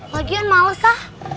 lagian males lah